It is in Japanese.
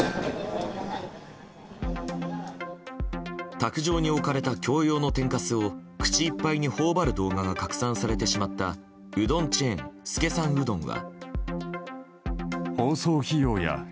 卓上に置かれた共用の天かすを口いっぱいにほおばる動画が拡散されてしまったうどんチェーン、資さんうどんは。